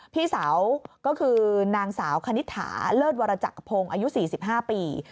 พี่สาวก็คือนางสาวคณิตถาเลิศวรจักรพงศ์อายุ๔๕ปี